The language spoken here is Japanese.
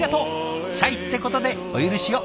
シャイってことでお許しを。